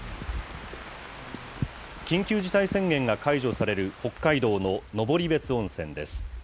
緊急事態宣言が解除される北海道の登別温泉です。